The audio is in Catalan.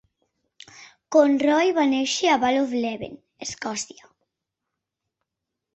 Conroy va néixer a Val of Leven, Escòcia.